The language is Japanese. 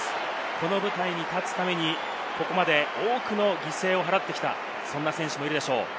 この舞台に立つためにここまで多くの犠牲を払ってきた、そんな選手もいるでしょう。